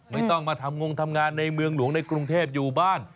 ไม่ต้องมาทำงงทำงานในเมืองหลวงในกรุงเทพอยู่บ้าน